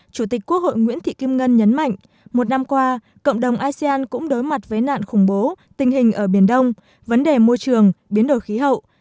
chủ tịch quốc hội nguyễn thị kim ngân nhấn mạnh một năm qua cộng đồng asean cũng đối mặt với nạn khủng bố tình hình ở biển đông vấn đề môi trường biến đổi khí hậu